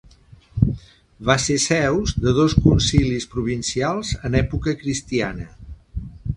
Va ser seus de dos concilis provincials en època cristiana.